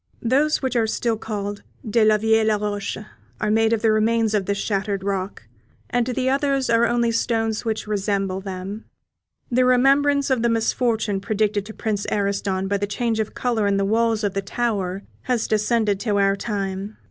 Those which are still called "de la Vieille Roche" are made of the remains of this shattered rock, and the others are only stones which resemble them. The remembrance of the misfortune predicted to Prince Ariston by the change of colour in the walls of the tower has descended to our time.